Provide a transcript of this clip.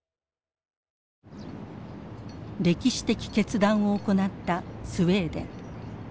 歴史的決断を行ったスウェーデン。